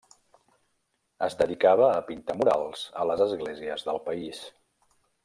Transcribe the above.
Es dedicava a pintar murals a les esglésies del país.